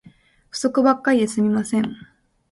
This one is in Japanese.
不足ばっかりで進みません